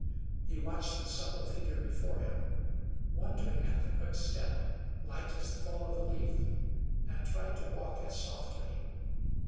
He watched the supple figure before him, wondering at the quick step, light as the fall of a leaf, and tried to walk as softly.